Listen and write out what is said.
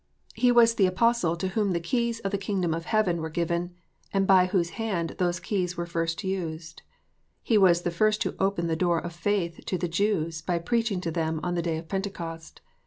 He was the THE FALLIBILITY OF MINISTERS. 365 Apostle to whom the keys of the kingdom of heaven were given, and by whose hand those keys were first used. He was the first who opened the door of faith to the Jews, by preaching to them on the day of Pentecost.